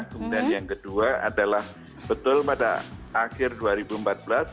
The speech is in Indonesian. kemudian yang kedua adalah betul pada akhir dua ribu empat belas itu ada surat